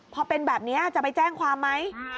พอเป็นแบบนี้จะไปแจ้งความไหม